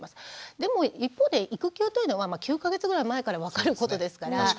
でも一方で育休というのは９か月ぐらい前から分かることですから。